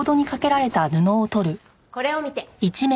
これを見て。